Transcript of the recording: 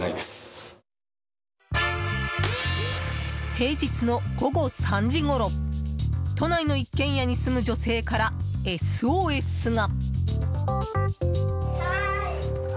平日の午後３時ごろ都内の一軒家に住む女性からＳＯＳが。